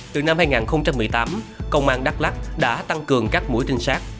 từ năm hai nghìn một mươi tám công an đắk lắc đã tăng cường các mũi trinh sát